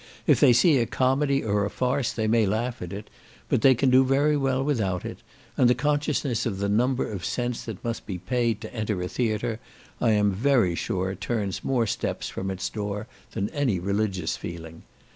If they see a comedy or a farce, they may laugh at it; but they can do very well without it; and the consciousness of the number of cents that must be paid to enter a theatre, I am very sure turns more steps from its door than any religious feeling.